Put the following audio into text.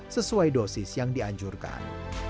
sesuai dosis yang dianjurkan